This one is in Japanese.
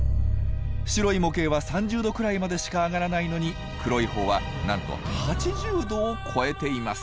白い模型は３０℃くらいまでしか上がらないのに黒い方はなんと８０℃を超えています。